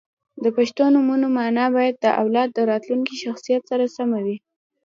• د پښتو نومونو مانا باید د اولاد د راتلونکي شخصیت سره سمه وي.